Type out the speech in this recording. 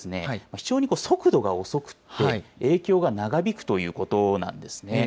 非常に速度が遅くて影響が長引くということなんですね。